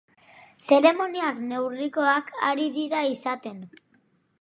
Zeremoniak neurrikoak ari dira izaten.